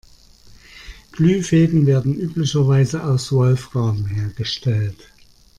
Glühfäden werden üblicherweise aus Wolfram hergestellt.